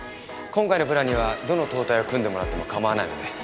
今回のプランにはどの燈体を組んでもらっても構わないので。